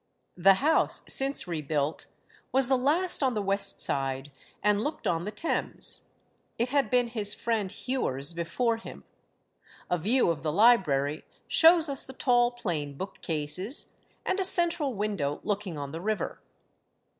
The house, since rebuilt, was the last on the west side, and looked on the Thames. It had been his friend Hewer's before him. A view of the library shows us the tall plain book cases, and a central window looking on the river.